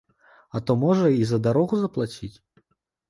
А то можа і за дарогу заплаціць.